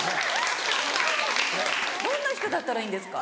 どんな人だったらいいんですか？